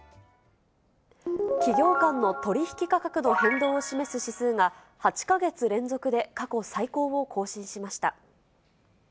企業間の取り引き価格の変動を示す指数が、８か月連続で過去最高を更新しました。